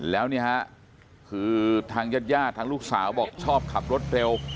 แล้วนี่ฮะคือทางญาติญาติทางลูกสาวบอกชอบขับรถเร็ว